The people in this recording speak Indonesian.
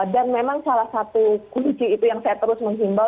dan memang salah satu kunci itu yang saya terus menghimbau